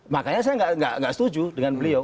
makanya saya nggak setuju dengan beliau